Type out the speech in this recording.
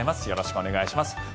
よろしくお願いします。